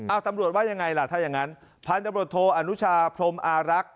เอ้าตำรวจว่ายังไงล่ะถ้าอย่างนั้นพดโทอนุชาพรมอารักษ์